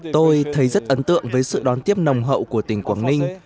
tôi thấy rất ấn tượng với sự đón tiếp nồng hậu của tỉnh quảng ninh